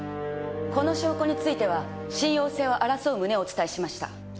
この証拠については信用性を争う旨をお伝えしました。